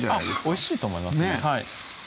おいしいと思いますねぇ